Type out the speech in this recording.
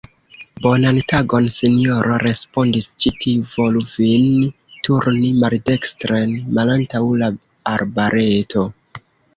Bonan tagon, sinjoro, respondis ĉi tiu, volu vin turni maldekstren malantaŭ la arbareto.